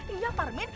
iya pak armin